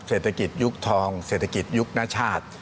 เศรษฐกิจยุคทองเศรษฐกิจยุคนชาติ